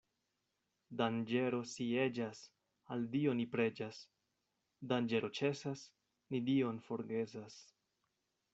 Danĝero sieĝas, al Dio ni preĝas; danĝero ĉesas, ni Dion forgesas.